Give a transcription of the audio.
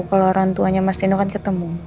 kalau orang tuanya mas dino kan ketemu